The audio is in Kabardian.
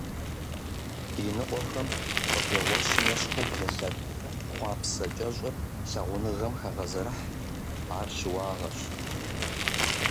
Иныкъуэхэм гъуэбжэгъуэщым ещхьу блэлъэт хъуапсэ кӀэщӀыр лъагъуныгъэм хагъэзэрыхь, ар щыуагъэщ.